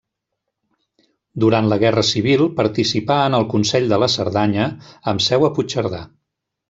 Durant la guerra civil participà en el Consell de la Cerdanya amb seu a Puigcerdà.